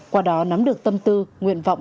qua đó nắm được tâm tư nguyện vọng